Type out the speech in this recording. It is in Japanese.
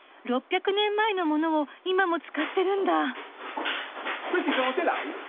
６００年前の物を今も使ってるんだ。